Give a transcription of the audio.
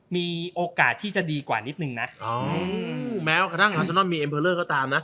มีโอกาสที่จะดีกว่านิดหนึ่งนะอ๋อแม้ว่าขนาดอาเซนอนมีเอ็มเพอร์เรอร์ก็ตามน่ะ